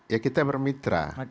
ya kita bermitra